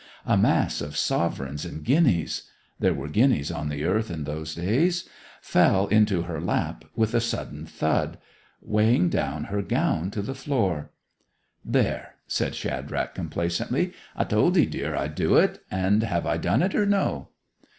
A mass of sovereigns and guineas (there were guineas on the earth in those days) fell into her lap with a sudden thud, weighing down her gown to the floor. 'There!' said Shadrach complacently. 'I told 'ee, dear, I'd do it; and have I done it or no?